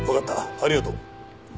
ありがとう。